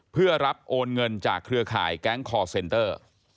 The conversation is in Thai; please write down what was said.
เพื่อรับโอนเงินจากเครือข่ายแก๊งคอร์เซนเตอร์